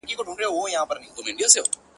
o سیاه پوسي ده، خُم چپه پروت دی.